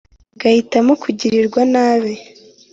agahitamo kugirirwa nabi